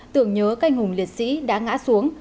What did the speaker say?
tưởng nhớ canh hùng liệt sĩ đã ngã xuống